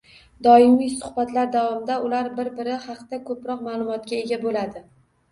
Doimiy suhbatlar davomida ular bir-biri haqida ko`proq ma`lumotga ega bo`ladi